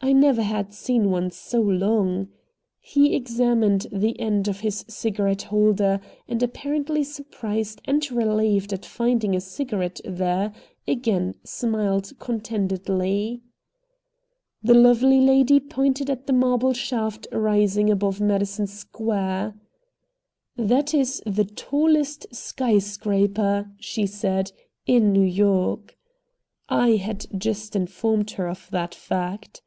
I never had seen one so long. He examined the end of his cigarette holder, and, apparently surprised and relieved at finding a cigarette there, again smiled contentedly. The lovely lady pointed at the marble shaft rising above Madison Square. "That is the tallest sky scraper," she said, "in New York." I had just informed her of that fact.